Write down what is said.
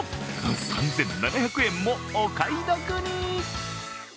３７００円もお買い得に。